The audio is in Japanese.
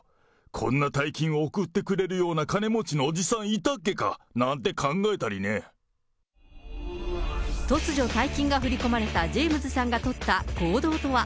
こんな大金を贈ってくれるような金持ちのおじさんいたっけかなん突如、大金が振り込まれたジェームズさんが取った行動とは。